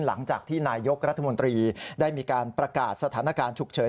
หลังจากที่นายกรัฐมนตรีได้มีการประกาศสถานการณ์ฉุกเฉิน